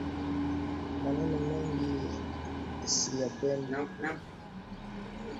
Maneno mengi siyapendi